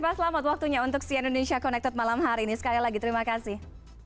pak selamat waktunya untuk si indonesia connected malam hari ini sekali lagi terima kasih